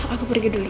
aku pergi dulu